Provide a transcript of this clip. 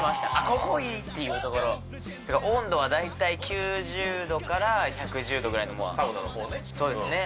「ここいい」っていうところ温度はだいたい９０度から１１０度ぐらいサウナのほうね